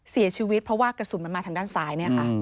เสียชีวิตเพราะว่ากระสุนมาทางด้านซ้าย